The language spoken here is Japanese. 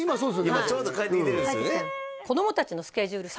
今ちょうど帰ってきてるんですよね